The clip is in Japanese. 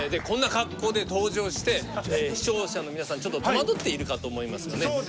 こんな格好で登場して視聴者の皆さんちょっと戸惑っているかと思いますがね。